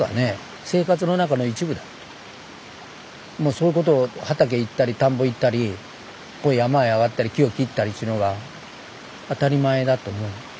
それこそ畑行ったり田んぼ行ったり山へ上がったり木を切ったりっちゅうのが当たり前だと思う。